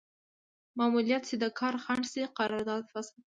معلولیت چې د کار خنډ شي قرارداد فسخه کوي.